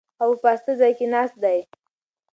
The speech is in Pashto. هغه په پاسته ځای کې ناست دی.